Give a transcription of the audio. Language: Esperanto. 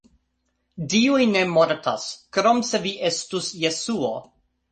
Dioj ne mortas, krom se vi estus Jesuo.